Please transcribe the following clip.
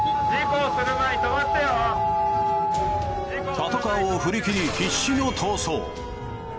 パトカーを振り切り必死の逃走。